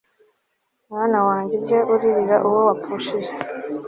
mwana wanjye, ujye uririra uwo wapfushije